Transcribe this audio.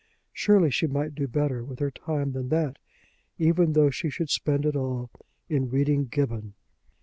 Surely she might do better with her time than that, even though she should spend it all in reading Gibbon.